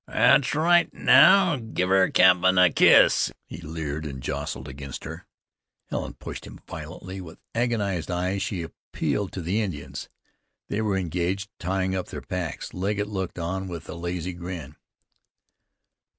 "Thet's right. Now, give ther cap'n a kiss," he leered, and jostled against her. Helen pushed him violently. With agonized eyes she appealed to the Indians. They were engaged tying up their packs. Legget looked on with a lazy grin.